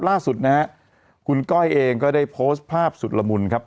ล่าสุดนะฮะคุณก้อยเองก็ได้โพสต์ภาพสุดละมุนครับ